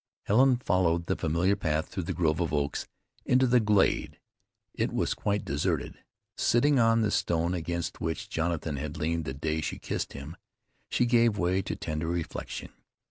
Helen followed the familiar path through the grove of oaks into the glade. It was quite deserted. Sitting on the stone against which Jonathan had leaned the day she kissed him, she gave way to tender reflection.